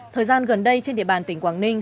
thời gian gần đây trên địa bàn tỉnh quảng ninh